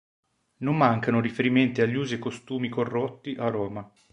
Non mancano riferimenti agli usi e costumi corrotti a Roma.